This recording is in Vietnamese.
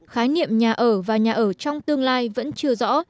khái niệm nhà ở và nhà ở trong tương lai vẫn chưa rõ